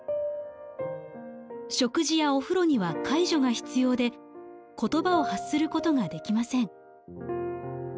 食事やお風呂には介助が必要で言葉を発することができません。